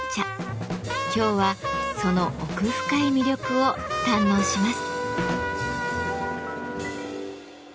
今日はその奥深い魅力を堪能します。